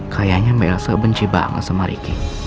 kayaknya mbak elsa benci banget sama riki